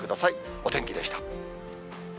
お天気でした。